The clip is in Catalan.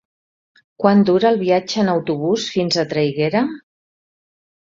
Quant dura el viatge en autobús fins a Traiguera?